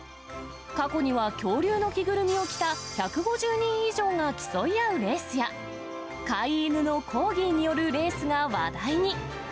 過去には恐竜の着ぐるみを着た１５０人以上が競い合うレースや、飼い犬のコーギーによるレースが話題に。